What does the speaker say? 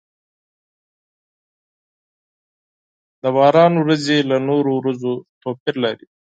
د باران ورېځې له نورو ورېځو توپير لري.